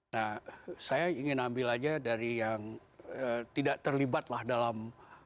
nah saya ingin ambil aja dari yang tidak terlibat lah dalam